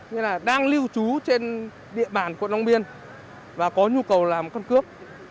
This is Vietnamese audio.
như là đang lưu chú trên địa bàn quận long biên và có nhu cầu làm căn cước